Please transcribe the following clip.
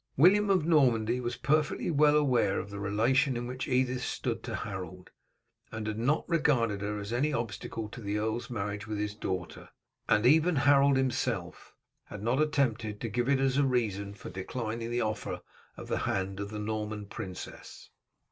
William of Normandy was perfectly well aware of the relation in which Edith stood to Harold, and had not regarded her as any obstacle to the earl's marriage with his daughter; and even Harold himself had not attempted to give it as a reason for declining the offer of the hand of the Norman princess.